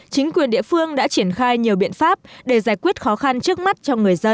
chính quyền địa phương đã triển khai nhiều biện pháp để giải quyết khó khăn trước mắt cho người dân